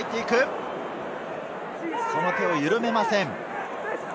その手を緩めません。